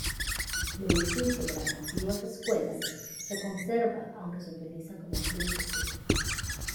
El edificio de las antiguas escuelas se conserva aunque se utiliza como club social.